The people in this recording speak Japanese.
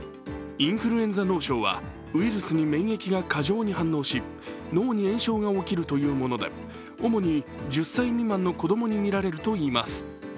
インフルエンザ脳症はウイルスに免疫が過剰に反応し脳に炎症が起きるというもので、主に１０歳未満の子供にみられるといいます。